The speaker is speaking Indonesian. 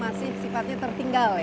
masih sifatnya tertinggal ya